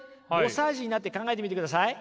５歳児になって考えてみてください。